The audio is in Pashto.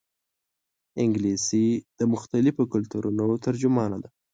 انګلیسي د مختلفو کلتورونو ترجمانه ده